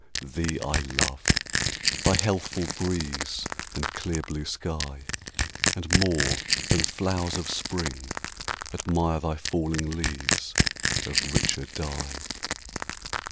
thee I love, Thy healthful breeze and clear blue sky; And more than flowers of Spring admire Thy falling leaves of richer dye.